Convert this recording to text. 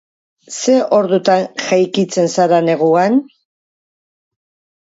Ze ordutan jeikitzen zara neguan?